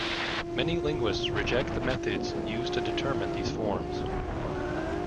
Many linguists reject the methods used to determine these forms.